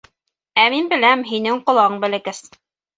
Ә мин беләм: һинең колагың бәләкәс.